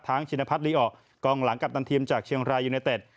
ชินพัฒนลีออกกองหลังกัปตันทีมจากเชียงรายยูเนเต็ด